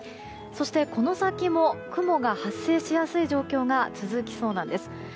そして、この先も雲が発生しやすい状況が続きそうなんです。